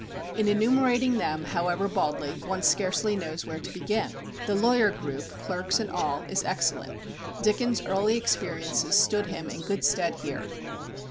In enumerating them, however baldly, one scarcely knows where to begin. The lawyer group clerks and all is excellent. Dickens' early experiences stood him in good stead here.